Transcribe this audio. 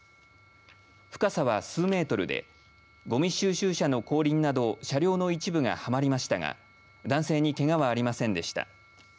深さは数メートルでごみ収集車の後輪など車両の一部がはまりましたが男性にけがはありませんでした。